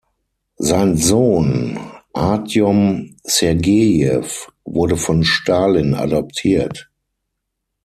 Sein Sohn Artjom Sergejew wurde von Stalin adoptiert.